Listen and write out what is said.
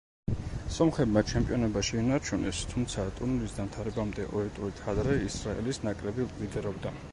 სომხებმა ჩემპიონობა შეინარჩუნეს, თუმცა ტურნირის დამთავრებამდე ორი ტურით ადრე ისრაელის ნაკრები ლიდერობდა.